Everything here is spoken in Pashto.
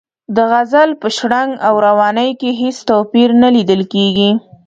د غزل په شرنګ او روانۍ کې هېڅ توپیر نه لیدل کیږي.